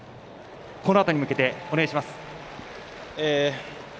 このあとに向けてお願いします。